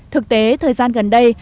thực tế thời gian gần đây